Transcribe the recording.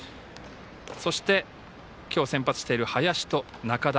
そして、今日先発している林と中田